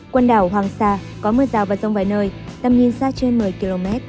quần đảo hoàng sa có mưa rào và rông vài nơi tầm nhìn xa trên một mươi km